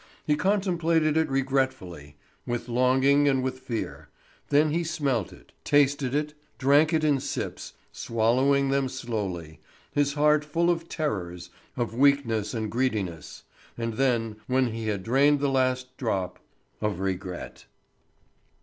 He contemplated it regretfully, with longing and with fear; then he smelt it, tasted it, drank it in sips, swallowing them slowly, his heart full of terrors, of weakness and greediness; and then, when he had drained the last drop, of regret.